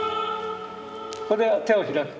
ここで手を開く。